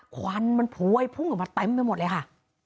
ควันมันพวยพุ่งออกมาเต็มไปหมดเลยค่ะ